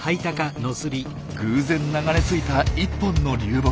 偶然流れ着いた１本の流木。